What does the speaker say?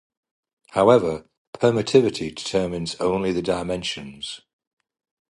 However, permittivity determines only the dimensions.